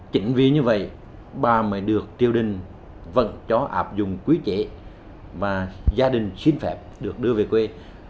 chính vì như vậy bà mới được triều đình vận cho ạp dùng quý trẻ và gia đình xin phẹp được đưa về quê